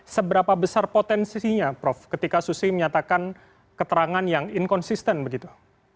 seberapa besar potensinya prof ketika susi menyatakan keterangan yang inkonsisten begitu